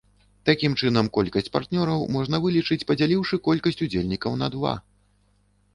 Такім чынам колькасць партнёраў можна вылічыць, падзяліўшы колькасць удзельнікаў на два.